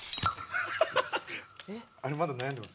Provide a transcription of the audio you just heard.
えっあれまだ悩んでます？